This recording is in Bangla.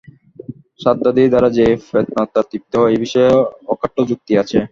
শ্রাদ্ধাদি দ্বারা যে প্রেতাত্মার তৃপ্তি হয়, এ বিষয়ে অকাট্য যুক্তি আছে।